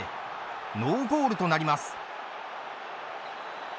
ノーゴールとなります。